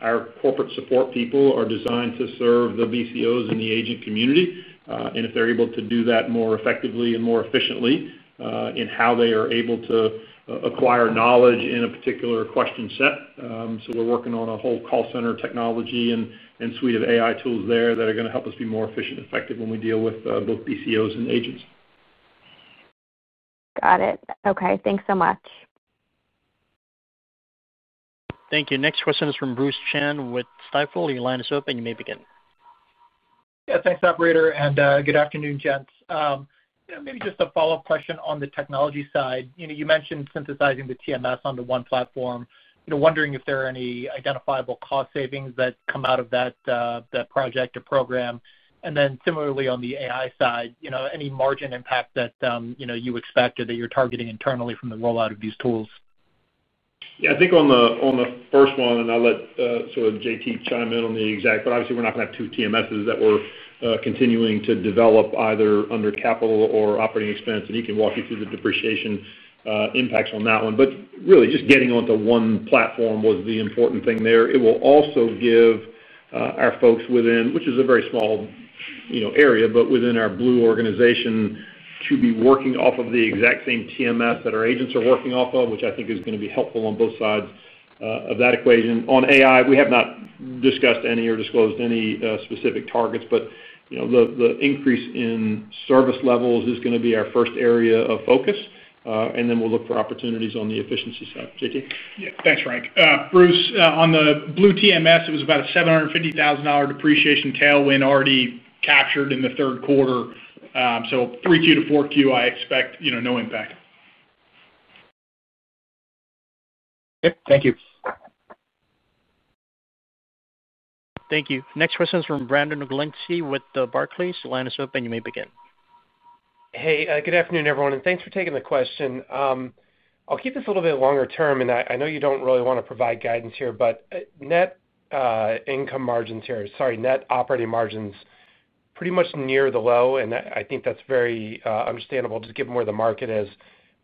our corporate support people are designed to serve the BCOs in the agent community. If they're able to do that more effectively and more efficiently in how they are able to acquire knowledge in a particular question set, we're working on a whole call center technology and suite of AI-enabled tools there that are going to help us be more efficient and effective when we deal with both BCOs and agents. Got it. Okay, thanks so much. Thank you. Next question is from Jizong Chan with Stifel. Your line is open. You may begin. Yeah, thanks, operator, and good afternoon, gents. Maybe just a follow-up question on the technology side. You mentioned synthesizing the TMS onto one platform. I'm wondering if there are any identifiable cost savings that come out of that project or program. Similarly, on the AI side, any margin impact that you expect or that you're targeting internally from the rollout of these tools? Yeah, I think on the first one, I'll let JT chime in on the exact, but obviously we're not going to have two TMSs that we're continuing to develop either under capital or operating expense. He can walk you through the depreciation impacts on that one. Really just getting onto one platform was the important thing there. It will also give our folks within, which is a very small area, but within our blue organization, the ability to be working off of the exact same TMS that our agents are working off of, which I think is going to be helpful on both sides of that equation. On AI, we have not discussed any or disclosed any specific targets, but the increase in service levels is going to be our first area of focus, and then we'll look for opportunities on the efficiency side. JT? Yeah, thanks, Frank. Bruce, on the blue TMS, it was about a $750,000 depreciation tailwind already captured in the third quarter. From 3Q to 4Q, I expect, you know, no impact. Okay, thank you. Next question is from Brandon Oglenski with Barclays. Your line is open. You may begin. Hey, good afternoon, everyone, and thanks for taking the question. I'll keep this a little bit longer term. I know you don't really want to provide guidance here, but net income margins here, sorry, net operating margins, pretty much near the low, and I think that's very understandable just given where the market is.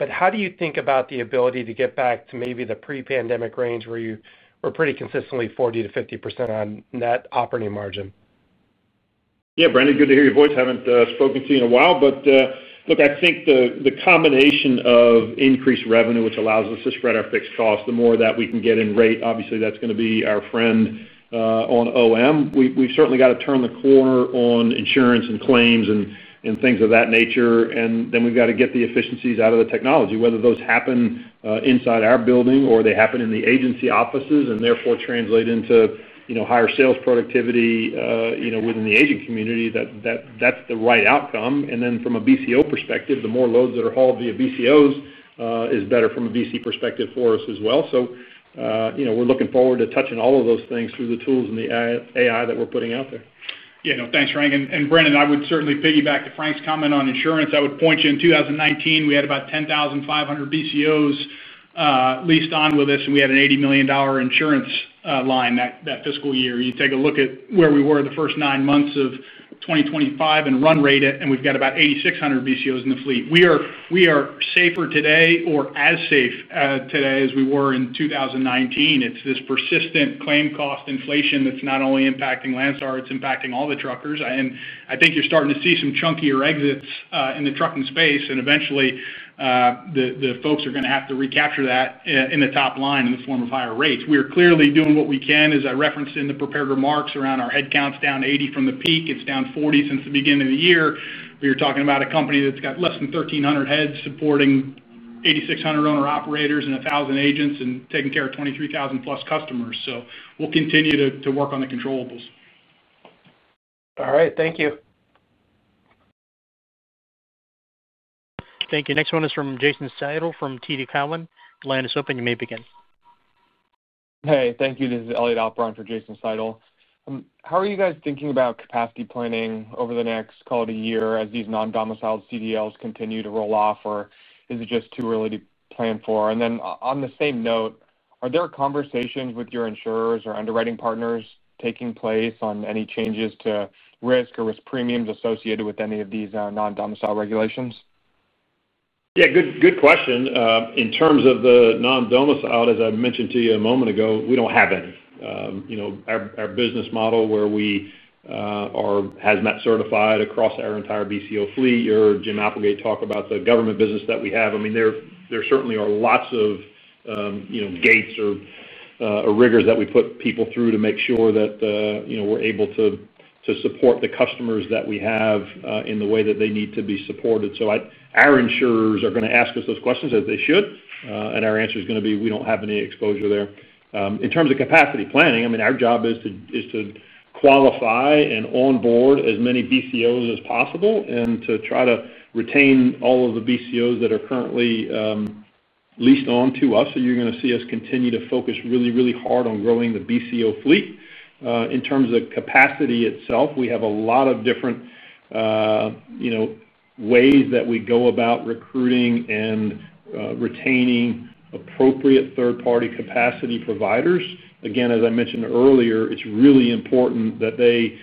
How do you think about the ability to get back to maybe the pre-pandemic range where you were pretty consistently 40% to 50% on net operating margin? Yeah, Brandon, good to hear your voice. Haven't spoken to you in a while, but look, I think the combination of increased revenue, which allows us to spread our fixed costs, the more that we can get in rate, obviously that's going to be our friend on OM. We've certainly got to turn the corner on insurance and claims and things of that nature. We've got to get the efficiencies out of the technology. Whether those happen inside our building or they happen in the agency offices and therefore translate into higher sales productivity within the agent community, that's the right outcome. From a BCO perspective, the more loads that are hauled via BCOs is better from a VC perspective for us as well. We're looking forward to touching all of those things through the tools and the AI that we're putting out there. Yeah, no, thanks, Frank. Brandon, I would certainly piggyback to Frank's comment on insurance. I would point you in 2019, we had about 10,500 BCOs leased on with us, and we had an $80 million insurance line that fiscal year. You take a look at where we were the first nine months of 2025 and run rate it, and we've got about 8,600 BCOs in the fleet. We are safer today or as safe today as we were in 2019. It's this persistent claim cost inflation that's not only impacting Landstar, it's impacting all the truckers. I think you're starting to see some chunkier exits in the trucking space, and eventually, folks are going to have to recapture that in the top line in the form of higher rates. We are clearly doing what we can, as I referenced in the prepared remarks around our headcount down 80 from the peak. It's down 40 since the beginning of the year. We are talking about a company that's got less than 1,300 heads supporting 8,600 owner-operators and 1,000 agents and taking care of 23,000-plus customers. We'll continue to work on the controllables. All right, thank you. Thank you. Next one is from Jason Seidl from TD Cowen. Your line is open. You may begin. Hey, thank you. This is Elliot Alper for Jason Seidl. How are you guys thinking about capacity planning over the next, call it, a year as these non-domiciled CDL regulations continue to roll off, or is it just too early to plan for? On the same note, are there conversations with your insurers or underwriting partners taking place on any changes to risk or risk premiums associated with any of these non-domiciled regulations? Yeah, good question. In terms of the non-domiciled, as I mentioned to you a moment ago, we don't have any. Our business model, where we are HAZMAT certified across our entire BCO fleet, your Jim Applegate talk about the government business that we have, there certainly are lots of gates or rigors that we put people through to make sure that we're able to support the customers that we have in the way that they need to be supported. Our insurers are going to ask us those questions as they should, and our answer is going to be we don't have any exposure there. In terms of capacity planning, our job is to qualify and onboard as many BCOs as possible and to try to retain all of the BCOs that are currently leased on to us. You're going to see us continue to focus really, really hard on growing the BCO fleet. In terms of capacity itself, we have a lot of different ways that we go about recruiting and retaining appropriate third-party capacity providers. Again, as I mentioned earlier, it's really important that they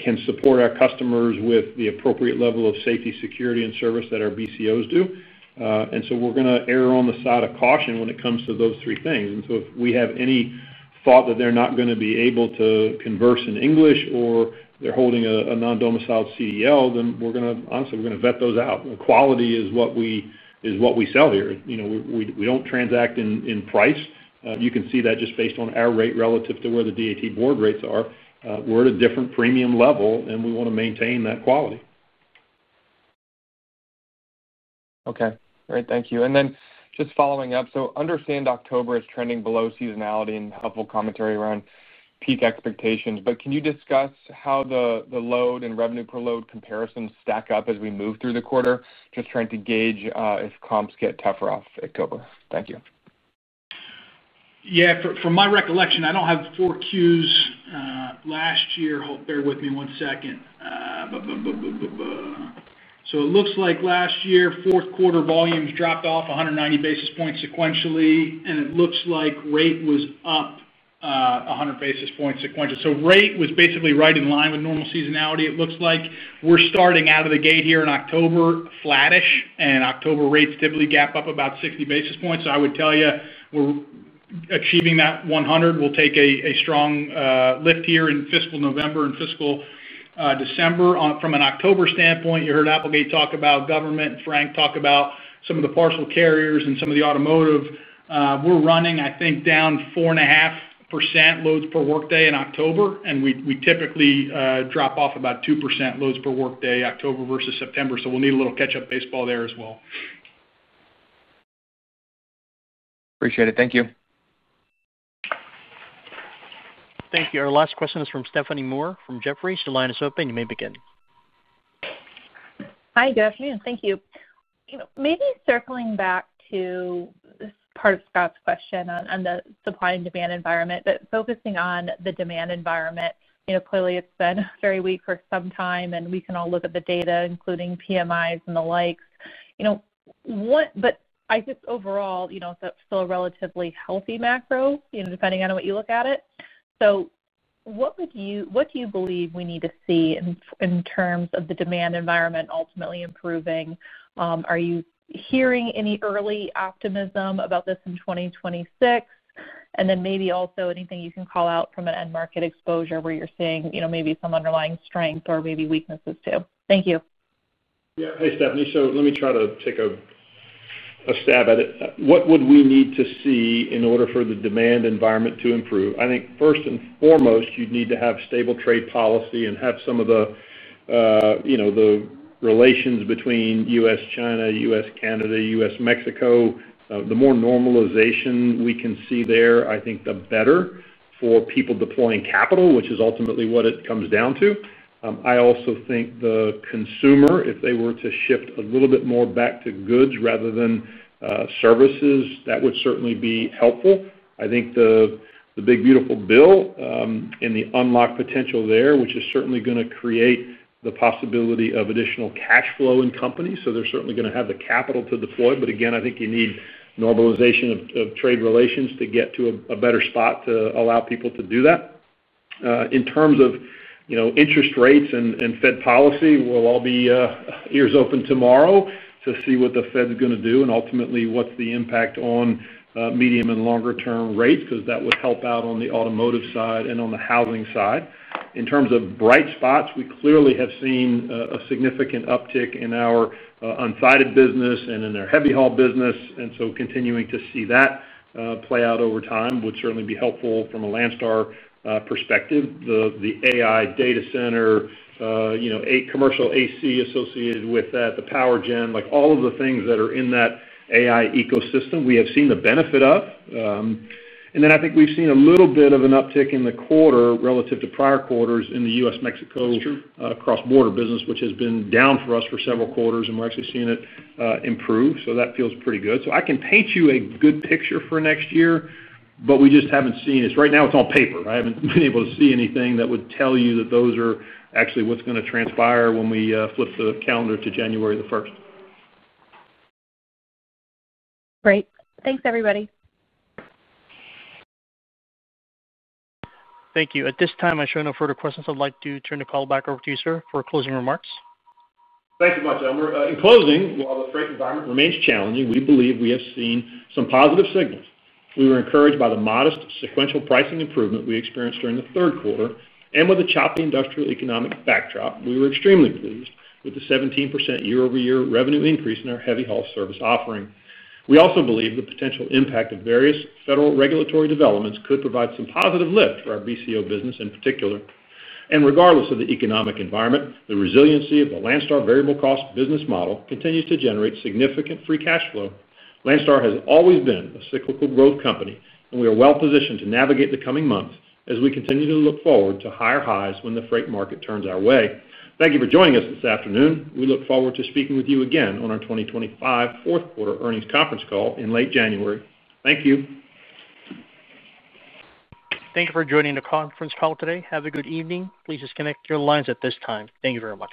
can support our customers with the appropriate level of safety, security, and service that our BCOs do. We're going to err on the side of caution when it comes to those three things. If we have any thought that they're not going to be able to converse in English or they're holding a non-domiciled CDL, then we're going to, honestly, we're going to vet those out. The quality is what we sell here. We don't transact in price. You can see that just based on our rate relative to where the DAT board rates are. We're at a different premium level, and we want to maintain that quality. Okay. Great. Thank you. Just following up, I understand October is trending below seasonality and a couple commentary around peak expectations. Can you discuss how the load and revenue per load comparisons stack up as we move through the quarter? I'm just trying to gauge if comps get tougher off October. Thank you. Yeah, from my recollection, I don't have the 4Qs last year. Bear with me one second. It looks like last year, fourth quarter volumes dropped off 190 basis points sequentially, and it looks like rate was up 100 basis points sequentially. Rate was basically right in line with normal seasonality. It looks like we're starting out of the gate here in October flattish, and October rates typically gap up about 60 basis points. I would tell you we're achieving that 100. We'll take a strong lift here in fiscal November and fiscal December. From an October standpoint, you heard Applegate talk about government and Frank talk about some of the parcel carriers and some of the automotive. We're running, I think, down 4.5% loads per workday in October, and we typically drop off about 2% loads per workday October versus September. We'll need a little catch-up baseball there as well. Appreciate it. Thank you. Thank you. Our last question is from Stephanie Moore from Jefferies. Your line is open. You may begin. Hi, good afternoon. Thank you. Maybe circling back to this part of Scott's question on the supply and demand environment, but focusing on the demand environment, it's been very weak for some time, and we can all look at the data, including PMIs and the likes. Overall, it's still a relatively healthy macro, depending on what you look at. What do you believe we need to see in terms of the demand environment ultimately improving? Are you hearing any early optimism about this in 2026? Also, is there anything you can call out from an end market exposure where you're seeing maybe some underlying strength or maybe weaknesses too? Thank you. Yeah. Hey, Stephanie. Let me try to take a stab at it. What would we need to see in order for the demand environment to improve? I think first and foremost, you'd need to have stable trade policy and have some of the, you know, the relations between U.S.-China, U.S.-Canada, U.S.-Mexico. The more normalization we can see there, I think the better for people deploying capital, which is ultimately what it comes down to. I also think the consumer, if they were to shift a little bit more back to goods rather than services, that would certainly be helpful. I think the big beautiful bill, and the unlocked potential there, which is certainly going to create the possibility of additional cash flow in companies. They're certainly going to have the capital to deploy. Again, I think you need normalization of trade relations to get to a better spot to allow people to do that. In terms of, you know, interest rates and Fed policy, we'll all be ears open tomorrow to see what the Fed's going to do and ultimately what's the impact on medium and longer-term rates because that would help out on the automotive side and on the housing side. In terms of bright spots, we clearly have seen a significant uptick in our unsighted business and in their heavy haul business. Continuing to see that play out over time would certainly be helpful from a Landstar perspective. The AI data center, you know, eight commercial AC associated with that, the PowerGen, like all of the things that are in that AI ecosystem, we have seen the benefit of. I think we've seen a little bit of an uptick in the quarter relative to prior quarters in the U.S.-Mexico cross-border business, which has been down for us for several quarters, and we're actually seeing it improve. That feels pretty good. I can paint you a good picture for next year, but we just haven't seen it. Right now, it's on paper. I haven't been able to see anything that would tell you that those are actually what's going to transpire when we flip the calendar to January 1. Great. Thanks, everybody. Thank you. At this time, I show no further questions. I'd like to turn the call back over to you, sir, for closing remarks. Thank you much, John. In closing, while the freight environment remains challenging, we believe we have seen some positive signals. We were encouraged by the modest sequential pricing improvement we experienced during the third quarter, and with a choppy industrial economic backdrop, we were extremely pleased with the 17% year-over-year revenue increase in our heavy haul service offering. We also believe the potential impact of various federal regulatory developments could provide some positive lifts for our BCO business in particular. Regardless of the economic environment, the resiliency of the Landstar variable cost business model continues to generate significant free cash flow. Landstar has always been a cyclical growth company, and we are well positioned to navigate the coming months as we continue to look forward to higher highs when the freight market turns our way. Thank you for joining us this afternoon. We look forward to speaking with you again on our 2025 fourth quarter earnings conference call in late January. Thank you. Thank you for joining the conference call today. Have a good evening. Please disconnect your lines at this time. Thank you very much.